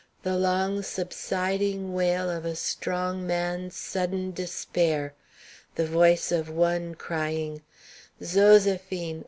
the long, subsiding wail of a strong man's sudden despair, the voice of one crying, "Zoséphine!